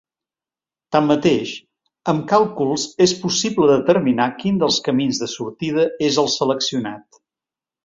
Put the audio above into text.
Tanmateix, amb càlculs és possible determinar quin dels camins de sortida és el seleccionat.